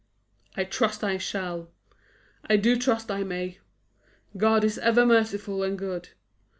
"I trust we shall! I do trust I may! God is ever merciful and good.